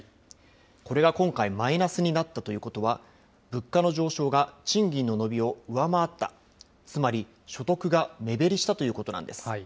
これが今回、マイナスになったということは、物価の上昇が賃金の伸びを上回った、つまり所得が目減りしたということなんです。